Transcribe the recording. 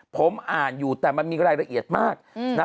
ผมอ่านอยู่แต่มันมีรายละเอียดมากนะ